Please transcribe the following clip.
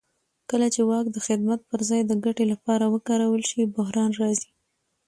کله چې واک د خدمت پر ځای د ګټې لپاره وکارول شي بحران راځي